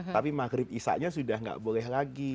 tapi maghrib isanya sudah tidak boleh lagi